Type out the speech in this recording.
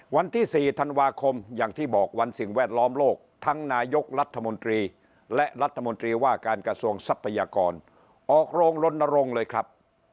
วันที่๔ธันวาคมอย่างที่บอกวันสิ่งแวดล้อมโลกทั้งนายกรัฐมนตรีและรัฐมนตรีว่าการกระทรวงทรัพยากรออกโรงลนรงค์เลยครับ